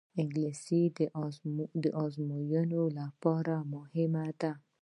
انګلیسي د ازموینو لپاره مهمه ده